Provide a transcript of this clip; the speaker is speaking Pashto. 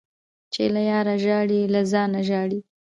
- چي له یاره ژاړي له ځانه ژاړي.